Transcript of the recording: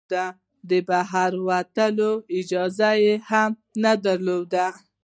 د بهر وتلو اجازه هم نه درلوده.